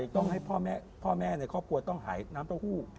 ต้องให้พ่อแม่ในครอบครัวต้องหายน้ำเต้าหู้